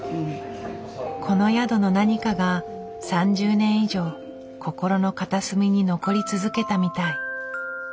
この宿の何かが３０年以上心の片隅に残り続けたみたい。